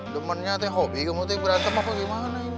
temannya itu hobi kamu berantem apa gimana ini